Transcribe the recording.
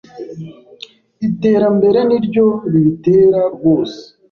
iterambere niryo ribitera rwose